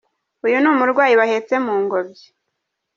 Uyu ni umurwayi bahetse mu ngobyi.